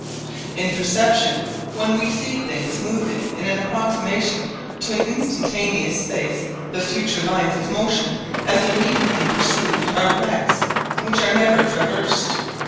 In perception when we see things moving in an approximation to an instantaneous space, the future lines of motion as immediately perceived are rects which are never traversed.